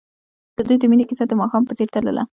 د دوی د مینې کیسه د ماښام په څېر تلله.